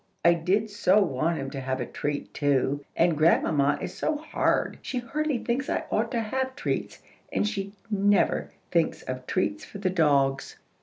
I did so want him to have a treat too. And grandmamma is so hard! She hardly thinks I ought to have treats, and she never thinks of treats for the dogs."